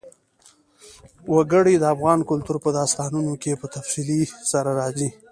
وګړي د افغان کلتور په داستانونو کې په تفصیل سره راځي.